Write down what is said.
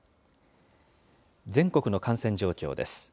全国の感染状況です。